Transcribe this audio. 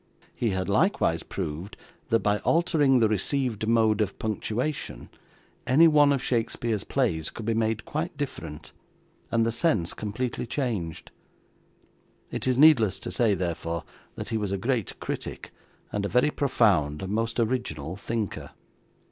He had likewise proved, that by altering the received mode of punctuation, any one of Shakespeare's plays could be made quite different, and the sense completely changed; it is needless to say, therefore, that he was a great critic, and a very profound and most original thinker.